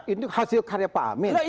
itu hasil karya pak amin